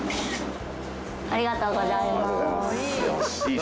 ありがとうございます。